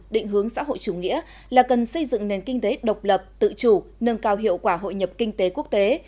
định hướng xã hội chủ nghĩa là cần xây dựng nền kinh tế độc lập tự chủ nâng cao hiệu quả hội nhập kinh tế quốc tế